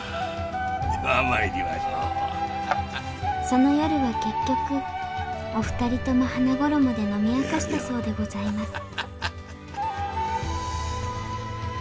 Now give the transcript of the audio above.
その夜は結局お二人とも「花ごろも」で飲み明かしたそうでございます